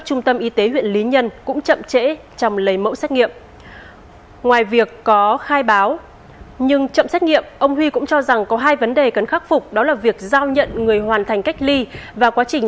chúng ta tổ chức